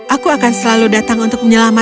aku akan selalu datang untuk menyelamatkan